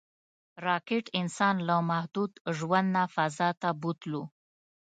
راکټ انسان له محدود ژوند نه فضا ته بوتلو